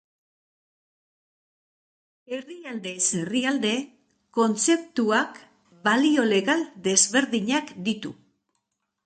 Herrialdez herrialde kontzeptuak balio legal desberdinak ditu.